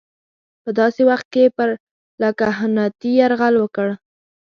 په داسې وخت کې پر لکهنوتي یرغل وکړ.